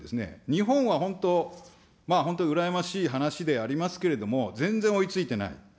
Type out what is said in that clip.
日本は本当、本当、羨ましい話でありますけれども、全然追いついてない。